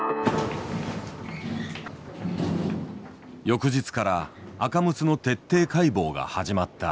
翌日からアカムツの徹底解剖が始まった。